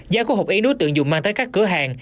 giá của hộp yến đối tượng dùng mang tới các cửa hàng